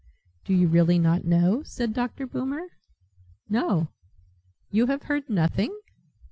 "Do you really not know?" said Dr. Boomer. "No." "You have heard nothing?"